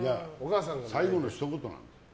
最後のひと言なんですよ。